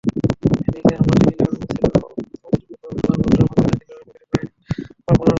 নিসে হামলাটি ছিল অভূতপূর্ব এবং সাধারণ মানুষসহ ফ্রান্সের আইনশৃঙ্খলা রক্ষাকারী বাহিনীর কল্পনার বাইরে।